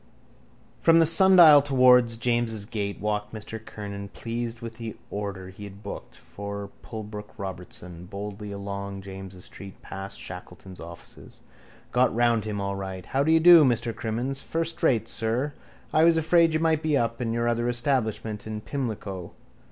From the sundial towards James's gate walked Mr Kernan, pleased with the order he had booked for Pulbrook Robertson, boldly along James's street, past Shackleton's offices. Got round him all right. How do you do, Mr Crimmins? First rate, sir. I was afraid you might be up in your other establishment in Pimlico.